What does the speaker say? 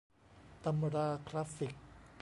ตำราคลาสสิก